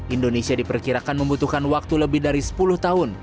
indonesia diperkirakan membutuhkan waktu lebih dari sepuluh tahun